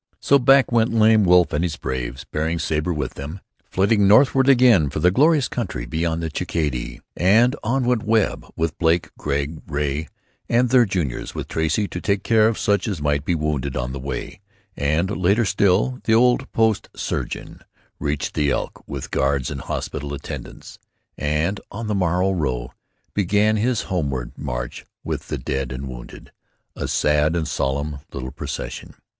So back went Lame Wolf and his braves, bearing Stabber with them, flitting northward again toward the glorious country beyond the "Chakadee," and on went Webb, with Blake, Gregg, Ray and their juniors, with Tracy to take care of such as might be wounded on the way; and, later still, the old post surgeon reached the Elk with guards and hospital attendants, and on the morrow row began his homeward march with the dead and wounded, a sad and solemn little procession.